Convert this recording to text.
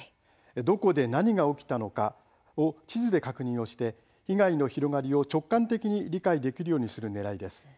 どこで何が起きたのか地図で確認をして被害の広がりを直感的に理解できるようにするねらいです。